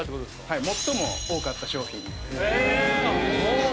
はい最も多かった商品になります